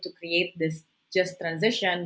jika kita ingin membuat transisi ini